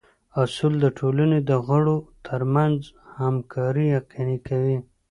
اصول د ټولنې د غړو ترمنځ همکاري یقیني کوي.